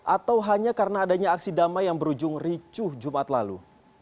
atau hanya karena adanya aksi damai yang berujung ricuh jumat lalu